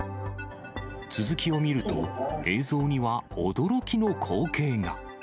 続きを見ると、映像には驚きの光景が。